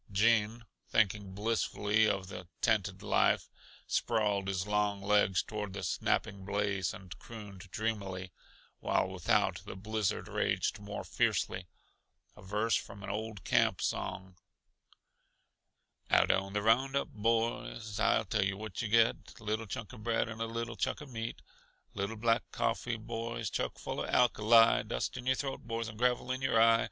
Gene, thinking blissfully of the tented life, sprawled his long legs toward the snapping blaze and crooned dreamily, while without the blizzard raged more fiercely, a verse from an old camp song: "Out on the roundup, boys, I tell yuh what yuh get Little chunk uh bread and a little chunk uh meat; Little black coffee, boys, chuck full uh alkali, Dust in your throat, boys, and gravel in your eye!